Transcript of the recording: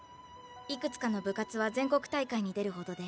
いくつかの部活は全国大会に出るほどで。